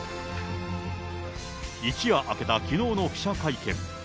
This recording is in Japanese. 一夜明けたきのうの記者会見。